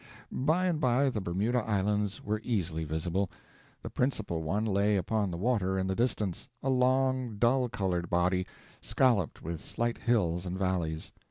By and by the Bermuda Islands were easily visible. The principal one lay upon the water in the distance, a long, dull colored body; scalloped with slight hills and valleys.